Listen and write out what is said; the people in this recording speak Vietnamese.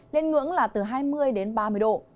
lên ngưỡng là từ hai mươi đến ba mươi độ